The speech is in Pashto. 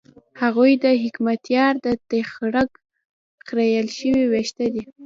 هغوی د حکمتیار د تخرګ خرېیل شوي وېښته دي.